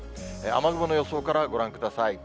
雨雲の予想からご覧ください。